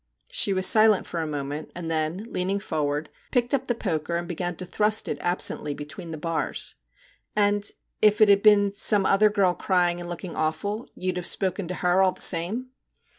She was silent for a moment, and then, leaning forward, picked up the poker and began to thrust it absently between the bars. ' And if it had been some other girl crying and looking awful, you 'd have spoken to her all the same